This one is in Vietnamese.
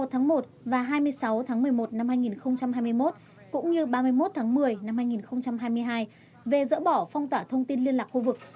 hai mươi tháng một và hai mươi sáu tháng một mươi một năm hai nghìn hai mươi một cũng như ba mươi một tháng một mươi năm hai nghìn hai mươi hai về dỡ bỏ phong tỏa thông tin liên lạc khu vực